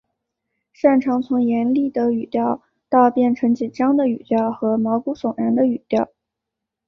善长从严厉的语调到变成紧张的语调和毛骨悚然的语调。